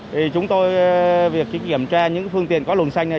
thì chúng tôi việc kiểm tra những phương tiện có luồng xanh này